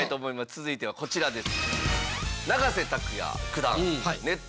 続いてはこちらです。